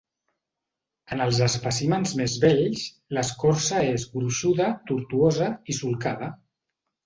En els espècimens més vells l'escorça és gruixuda, tortuosa i solcada.